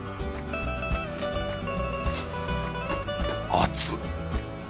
熱っ！